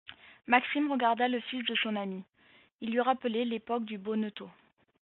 Maxime regarda le fils de son ami. Il lui rappelait l’époque du bonneteau